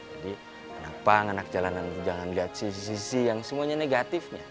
jadi anak pang anak jalanan jangan lihat sisi sisi yang semuanya negatifnya